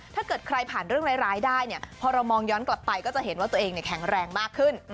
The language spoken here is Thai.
ถ้าเกิดใครผ่านเรื่องร้ายได้เนี่ยพอเรามองย้อนกลับไปก็จะเห็นว่าตัวเองแข็งแรงมากขึ้น